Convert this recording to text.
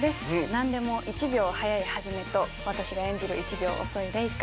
何でも１秒早いハジメと私が演じる１秒遅いレイカ。